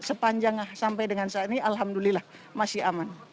sepanjang sampai dengan saat ini alhamdulillah masih aman